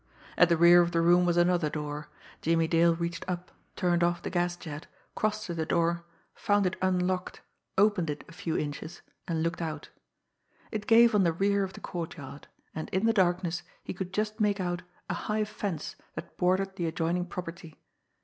At the rear of the room was another door. Jimmie Dale reached up, turned off the gas jet, crossed to the door, found it unlocked, opened it a few inches, and looked out. It gave on the rear of the courtyard, and in the darkness he could just make out a high fence that bordered the adjoining property.